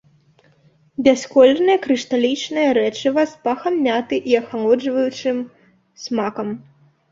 Бясколернае крышталічнае рэчыва з пахам мяты і ахалоджваючым смакам.